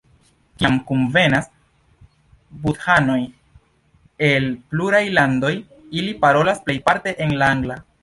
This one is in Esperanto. Kiam kunvenas budhanoj el pluraj landoj, ili parolas plejparte en la angla.